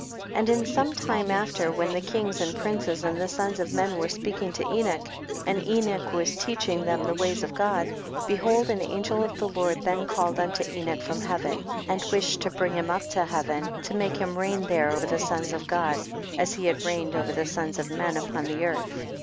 And in some time after, when the kings and princes and the sons of men were speaking to Enoch, and Enoch was teaching them the ways of God, behold an angel of the Lord then called unto Enoch from heaven, and wished to bring him up to heaven to make him reisn there over the sons 8 THE BOOK OF JASHER. of God, as he had reigned over the sons of men upon earth.